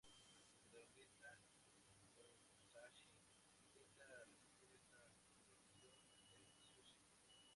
El protagonista, Musashi, intenta revertir esta prohibición del sushi.